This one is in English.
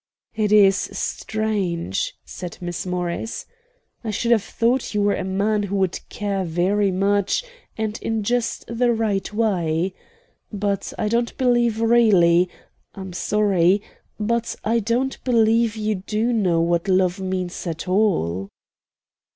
"It is strange," said Miss Morris. "I should have thought you were a man who would care very much and in just the right way. But I don't believe really I'm sorry, but I don't believe you do know what love means at all."